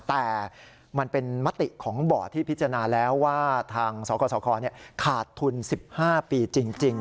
แต่มันเป็นมติของบ่อที่พิจารณาแล้วว่าทางสกสคขาดทุน๑๕ปีจริง